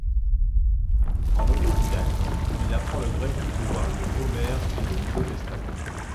En autodidacte, il apprend le grec pour pouvoir lire Homère et le Nouveau Testament.